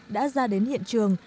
đã ra đến hiện trường